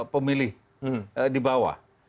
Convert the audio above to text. pemilih di bawah